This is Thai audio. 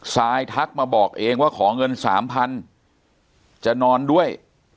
ซายทักมาบอกเองว่าขอเงินสามพันจะนอนด้วย